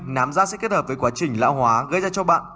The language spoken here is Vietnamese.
nám rác sẽ kết hợp với quá trình lão hóa gây ra cho bạn